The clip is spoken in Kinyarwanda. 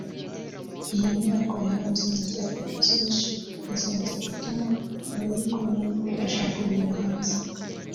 Iyi nyubako yahawe izina rya Apple Spaceship izajya ituma abayikoreramo babasha kureba hanze